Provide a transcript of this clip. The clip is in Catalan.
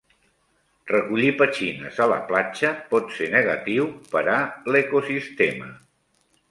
Recollir petxines a la platja pot ser negatiu per a l'ecosistema.